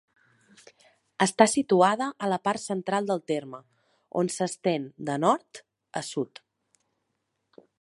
Està situada a la part central del terme, on s'estén de nord a sud.